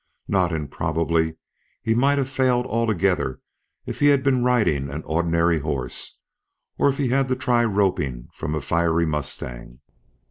Not improbably he might have failed altogether if he had been riding an ordinary horse, or if he had to try roping from a fiery mustang.